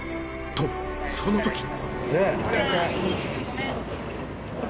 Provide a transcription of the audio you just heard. その時